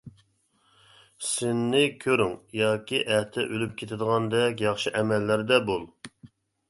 سىننى كۆرۈڭ ياكى ئەتە ئۆلۈپ كېتىدىغاندەك ياخشى ئەمەللەردە بول.